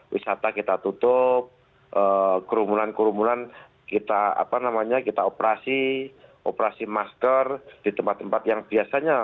wisata kita tutup kerumunan kerumunan kita operasi operasi masker di tempat tempat yang biasanya